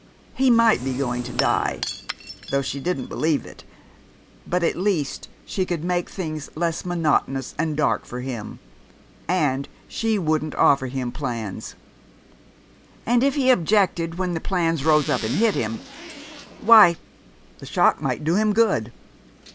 He might be going to die though she didn't believe it but at least she could make things less monotonous and dark for him; and she wouldn't offer him plans! And if he objected when the plans rose up and hit him, why, the shock might do him good.